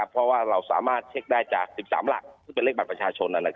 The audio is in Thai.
เพราะว่าเราสามารถเช็คได้จาก๑๓หลักซึ่งเป็นเลขบัตรประชาชน